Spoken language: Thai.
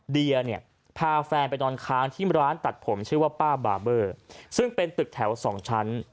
เดียเนี่ยพาแฟนไปนอนค้างที่ร้านตัดผมชื่อว่าป้าบาเบอร์ซึ่งเป็นตึกแถวสองชั้น